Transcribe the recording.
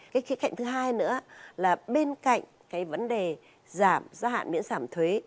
cái khía cạnh thứ hai nữa là bên cạnh vấn đề giảm giảm miễn giảm thuế